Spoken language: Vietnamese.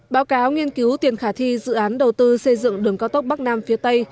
báo cáo nghiên cứu tiền khả thi dự án đầu tư xây dựng đường cao tốc bắc nam phía tây